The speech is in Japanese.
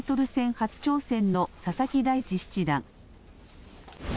初挑戦の佐々木大地七段。